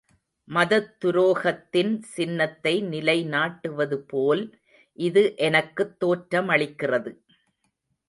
மதத் துரோகத்தின் சின்னத்தை நிலைநாட்டுவதுபோல் இது எனக்குத் தோற்றமளிக்கிறது.